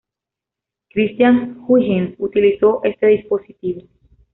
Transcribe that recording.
Christiaan Huygens utilizó este dispositivo.